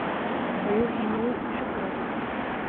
وَيُوهِنُ شُكْرَهُ